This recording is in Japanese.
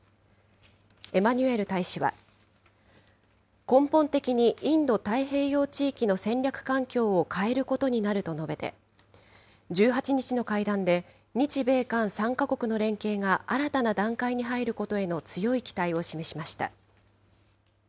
エマニュエル大使は、根本的にインド太平洋地域の戦略環境を変えることになると述べて、１８日の会談で、日米韓３か国の連携が新たな段階に入ることへの強い期待を示しました。